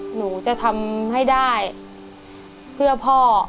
หนูจะทำให้ได้เพื่อพ่อ